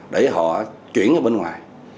để họ chuyển ra bên ngoài